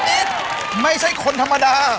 จะบอกว่าวันนี้ไม่ใช่คนธรรมดา